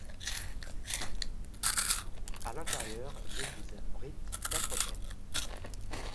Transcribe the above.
À l'intérieur, l'église abrite quatre autels.